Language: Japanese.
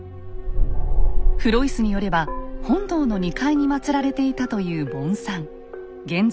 フロイスによれば本堂の２階にまつられていたという盆山。